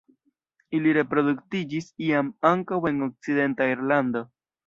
Ili reproduktiĝis iam ankaŭ en okcidenta Irlando.